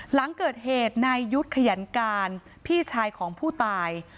หลังเกิดเหตุนายยุทธ์ขยันการพี่ชายของผู้ตาย